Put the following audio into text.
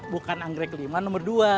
bukan anggrek lima nomor dua